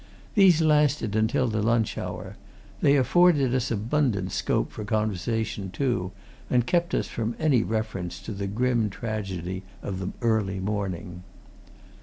These lasted until the lunch hour they afforded us abundant scope for conversation, too, and kept us from any reference to the grim tragedy of the early morning.